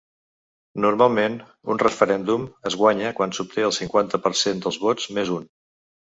Normalment, un referèndum es guanya quan s’obté el cinquanta per cent dels vots més un.